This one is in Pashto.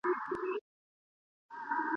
آيا تاسي د خپلواکۍ په ارزښت پوهېږئ؟